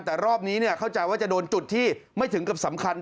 แต่รอบนี้เข้าใจว่าจะโดนจุดที่ไม่ถึงกับสำคัญ